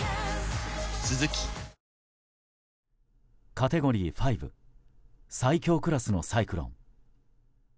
カテゴリー５最強クラスのサイクロン。